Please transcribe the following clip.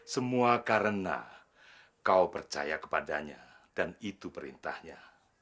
semua karena kau percaya kepadanya dan itu perintahnya